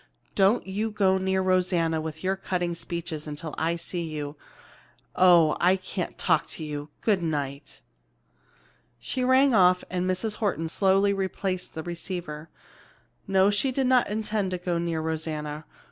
Don't you go near Rosanna with your cutting speeches until I see you. Oh, I can't talk to you! Good night!" She rang off and Mrs. Horton slowly replaced the receiver. No, she did not intend to go near Rosanna.